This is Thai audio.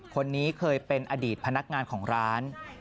คนนี้เคยเป็นอดีตพนักงานของร้าน